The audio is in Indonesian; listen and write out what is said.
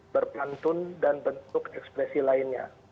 berpantun dan bentuk ekspresi lainnya